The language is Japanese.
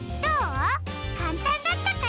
かんたんだったかな？